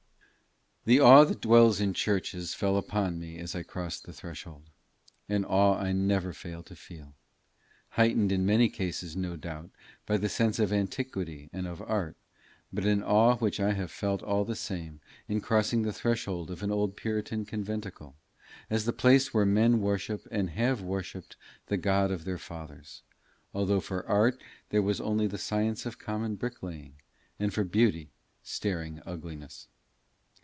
The awe that dwells in churches fell upon me as I crossed the threshold an awe I never fail to feel heightened in many cases, no doubt, by the sense of antiquity and of art, but an awe which I have felt all the same in crossing the threshold of an old Puritan conventicle, as the place where men worship and have worshipped the God of their fathers, although for art there was only the science of common bricklaying, and for beauty staring ugliness.